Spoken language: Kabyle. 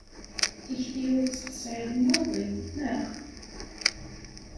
Tikti ur tt-tesɛiḍ maḍi, neɣ?